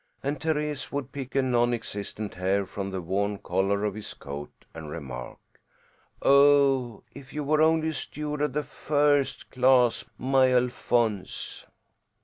And Thérèse would pick a nonexistent hair from the worn collar of his coat and remark, "Oh, if you were only a steward of the first class, my Alphonse!"